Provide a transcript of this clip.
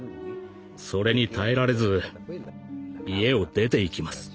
それに耐えられず家を出ていきます。